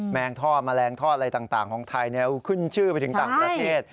งท่อแมลงทอดอะไรต่างของไทยขึ้นชื่อไปถึงต่างประเทศ